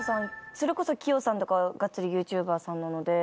それこそキヨさんとかがっつりＹｏｕＴｕｂｅｒさんなので。